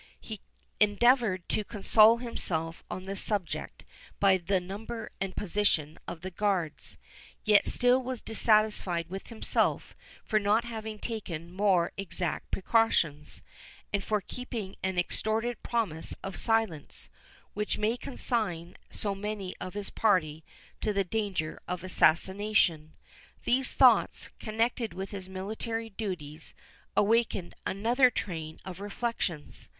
He endeavoured to console himself on this subject by the number and position of the guards, yet still was dissatisfied with himself for not having taken yet more exact precautions, and for keeping an extorted promise of silence, which might consign so many of his party to the danger of assassination. These thoughts, connected with his military duties, awakened another train of reflections.